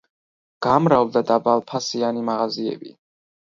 გამრავლდა დაბალფასიანი მაღაზიები.